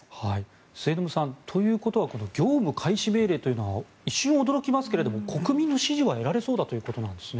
末延さん、ということは業務開始命令というのは一瞬、驚きますが国民の支持は得られそうだということなんですね。